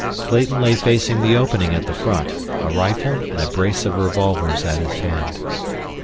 Clayton lay facing the opening at the front, a rifle and a brace of revolvers at his hand.